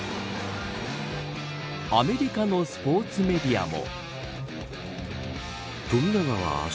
アメリカのスポーツメディアも。